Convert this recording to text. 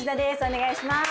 お願いします。